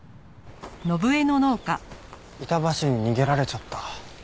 板橋に逃げられちゃった。